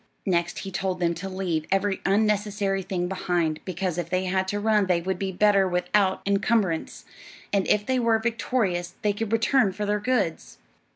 Next he told them to leave every unnecessary thing behind, because if they had to run they would be better without encumbrance, and if they were victorious they could return for their goods.